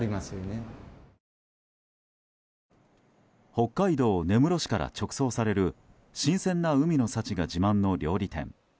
北海道根室市から直送される新鮮な海の幸が自慢の料理店。